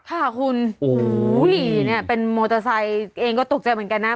ค่ะคุณโอ้โหเนี่ยเป็นมอเตอร์ไซค์เองก็ตกใจเหมือนกันนะ